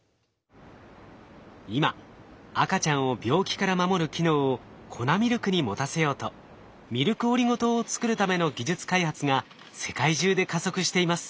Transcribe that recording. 今赤ちゃんを病気から守る機能を粉ミルクに持たせようとミルクオリゴ糖を作るための技術開発が世界中で加速しています。